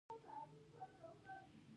د دور بابا لاره ده